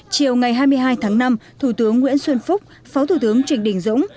chiều ngày hai mươi hai tháng năm thủ tướng nguyễn xuân phúc phó thủ tướng trịnh đình dũng